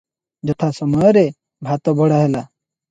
ଯଥା ସମୟରେ ଭାତ ବଢ଼ା ହେଲା ।